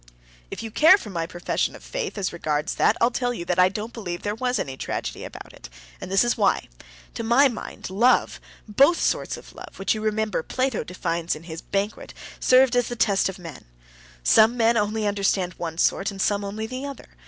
"If you care for my profession of faith as regards that, I'll tell you that I don't believe there was any tragedy about it. And this is why. To my mind, love ... both the sorts of love, which you remember Plato defines in his Banquet, served as the test of men. Some men only understand one sort, and some only the other.